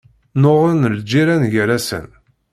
Nnuɣen lǧiran gar-asen.